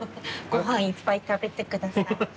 ごはんいっぱい食べて下さい。